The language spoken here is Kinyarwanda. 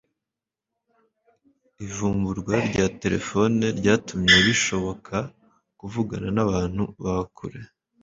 Ivumburwa rya terefone ryatumye bishoboka kuvugana nabantu ba kure